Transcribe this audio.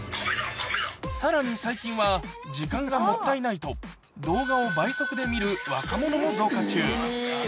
さらに最近は、時間がもったいないと、動画を倍速で見る若者も増加中。